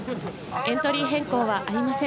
エントリー変更はありません。